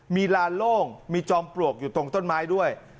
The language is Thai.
มีลานโล่งมีจอมปลวกอยู่ตรงต้นไม้ด้วย